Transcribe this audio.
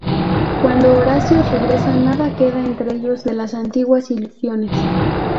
Cuando Horacio regresa, nada queda entre ellos de las antiguas ilusiones.